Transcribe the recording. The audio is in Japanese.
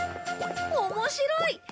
おもしろい！